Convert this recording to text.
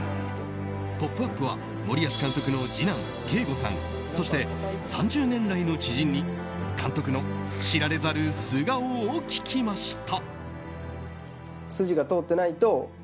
「ポップＵＰ！」は森保監督の次男・圭悟さんそして３０年来の知人に監督の知られざる素顔を聞きました。